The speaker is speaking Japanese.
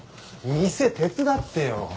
店手伝ってよ。